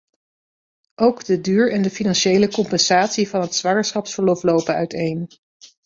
Ook de duur en de financiële compensatie van het zwangerschapsverlof lopen uiteen.